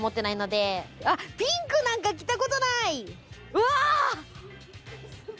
うわ！